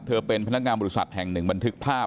เป็นพนักงานบริษัทแห่งหนึ่งบันทึกภาพ